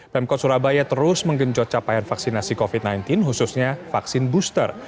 pemkot surabaya terus menggenjot capaian vaksinasi covid sembilan belas khususnya vaksin booster